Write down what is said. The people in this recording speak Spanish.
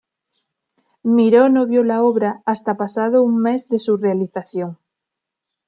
Miró no vio la obra hasta pasado un mes de su realización.